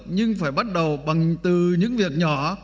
nhưng phải bắt đầu bằng từ những việc nhỏ